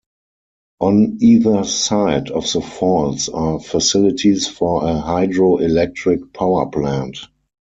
On either side of the falls are facilities for a hydroelectric power plant.